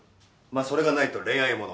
まあそれがないと恋愛物。